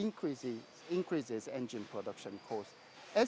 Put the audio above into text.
ini meningkatkan harga produksi mesin